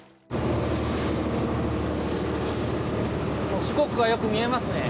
四国がよく見えますね。